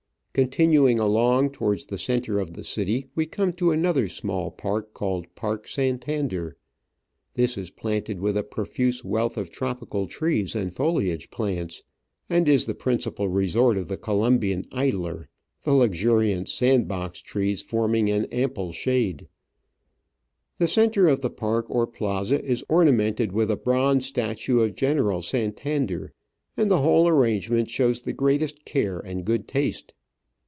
Continuing along towards the centre of the city, we come to another small park, called Park Santander. This is planted with a profuse wealth of tropical trees Digitized by VjOOQIC OF AN Orchid Hunter, 129 and foliage plants, and Is the principal resort of the Colombian idler, the luxuriant sand box trees forming an ample shade. The centre of the park or plaza is ornamented with a bronze statue of General Santander, and the whole arrangement shows the greatest care and good taste.